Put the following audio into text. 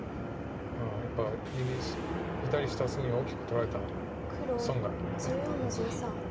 ああやっぱり左下隅大きく取られた損があるんだ。